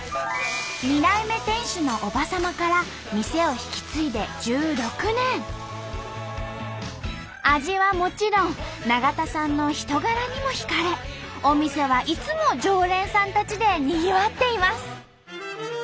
２代目店主の叔母様から味はもちろん永田さんの人柄にも惹かれお店はいつも常連さんたちでにぎわっています。